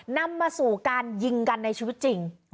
นำมาสู่การยิงกันในชีวิตจริง